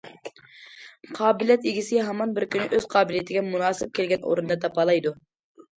قابىلىيەت ئىگىسى ھامان بىر كۈنى ئۆز قابىلىيىتىگە مۇناسىپ كەلگەن ئورۇننى تاپالايدۇ.